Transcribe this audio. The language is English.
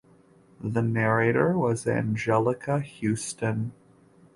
The narrator was Anjelica Huston.